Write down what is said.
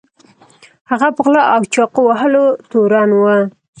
هغه په غلا او چاقو وهلو تورن و.